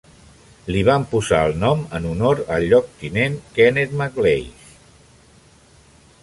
Li van posar el nom en honor al lloctinent Kenneth MacLeish.